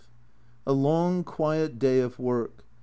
A long quiet day of work.